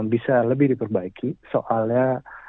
bisa lebih diperbaiki soalnya